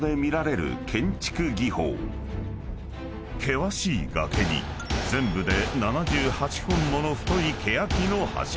［険しい崖に全部で７８本もの太いケヤキの柱］